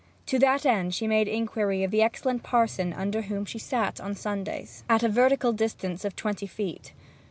To that end she made inquiry of the excellent parson under whom she sat on Sundays, at a vertical distance of twenty feet.